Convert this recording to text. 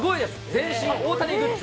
全身大谷グッズ。